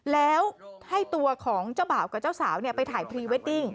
แล้วให้ตัวของเจ้าบ่าวกับเจ้าสาวไปถ่ายพรีเวดดิ้ง